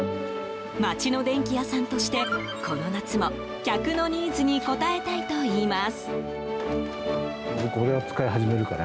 街の電器屋さんとしてこの夏も、客のニーズに応えたいといいます。